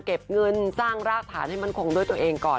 เก็บเงินสร้างรากฐานให้มั่นคงด้วยตัวเองก่อน